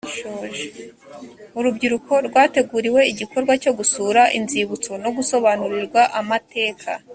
urubyiruko rwateguriwe igikorwa cyo gusura inzibutso no gusobanurirwa amateka